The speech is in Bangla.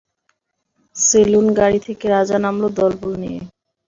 সেলুন-গাড়ি থেকে রাজা নামল দলবল নিয়ে।